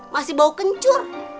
masih bau kencur